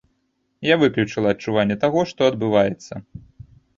Я выключыла адчуванне таго, што адбываецца.